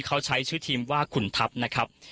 เขาใช้ชื่อทีมว่าขุนทัพนะครับ